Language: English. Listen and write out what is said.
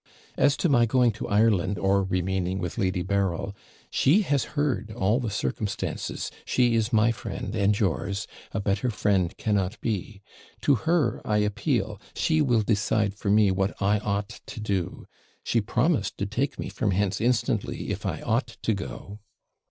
As to my going to Ireland, or remaining with Lady Berryl, she has heard all the circumstances she is my friend and yours a better friend cannot be; to her I appeal she will decide for me what I OUGHT to do; she promised to take me from hence instantly, if I ought to go.'